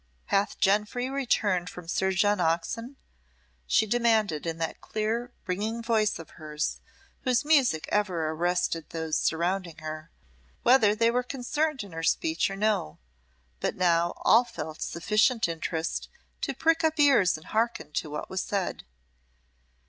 "Hath Jenfry returned from Sir John Oxon?" she demanded, in that clear, ringing voice of hers, whose music ever arrested those surrounding her, whether they were concerned in her speech or no; but now all felt sufficient interest to prick up ears and hearken to what was said.